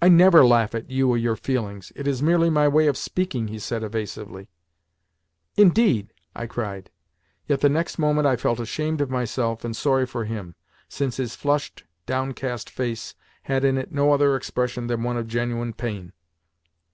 "I NEVER laugh at you or your feelings. It is merely my way of speaking," he said evasively. "Indeed?" I cried; yet the next moment I felt ashamed of myself and sorry for him, since his flushed, downcast face had in it no other expression than one of genuine pain.